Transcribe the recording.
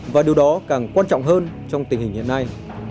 và điều đó càng quan trọng hơn trong tình hình hiện nay